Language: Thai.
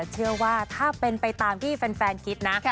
เชื่อว่าถ้าเป็นไปตามที่แฟนคิดนะ